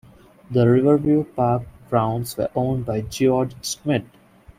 The Riverview Park grounds were owned by George Schmidt.